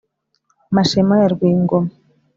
mashema ya rwingoma